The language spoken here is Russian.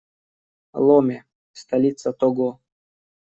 Ломе - столица Того.